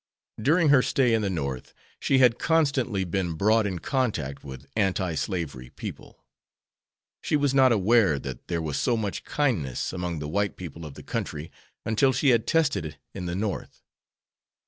During her stay in the North she had constantly been brought in contact with anti slavery people. She was not aware that there was so much kindness among the white people of the country until she had tested it in the North.